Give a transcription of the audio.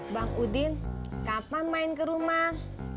bang udin kapan main ke rumah